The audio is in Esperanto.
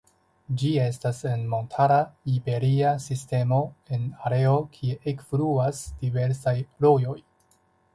Ĝi estas en montara Iberia Sistemo en areo kie ekfluas diversaj rojoj.